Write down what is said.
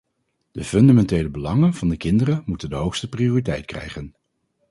De fundamentele belangen van de kinderen moeten de hoogste prioriteit krijgen.